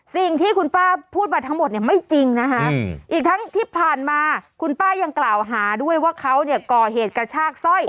สิ่งที่คุณป้าพูดมาทั้งหมดเนี่ยไม่จริงนะคะอีกทั้งที่ผ่านมาคุณป้ายังกล่าวหาด้วยว่าเขาเนี่ยก่อเหตุกระชากสร้อย